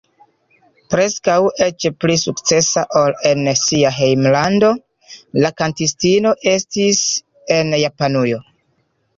Preskaŭ eĉ pli sukcesa ol en sia hejmlando la kantistino estis en Japanujo.